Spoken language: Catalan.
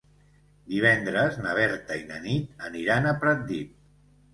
Divendres na Berta i na Nit aniran a Pratdip.